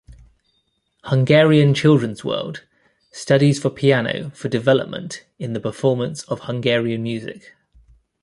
"Hungarian Children's World", "Studies for Piano for Development in the Performance of Hungarian Music".